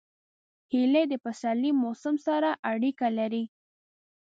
هیلۍ د پسرلي موسم سره اړیکه لري